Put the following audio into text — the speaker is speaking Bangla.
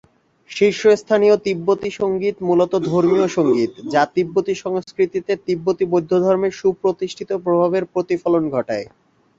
শীর্ষস্থানীয় তিব্বতি সংগীত মূলত ধর্মীয় সংগীত, যা তিব্বতি সংস্কৃতিতে তিব্বতি বৌদ্ধ ধর্মের সুপ্রতিষ্ঠিত প্রভাবের প্রতিফলন ঘটায়।